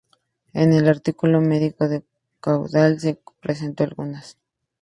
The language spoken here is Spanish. En el artículo medición del caudal se presentan algunas.